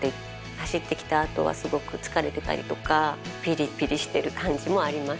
走ってきたあとはすごく疲れてたりとか、ぴりぴりしてる感じもあります。